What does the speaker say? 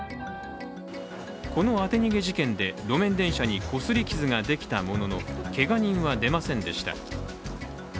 この当て逃げ事件で、路面電車にこすり傷ができたもののけが人は出ませんでした。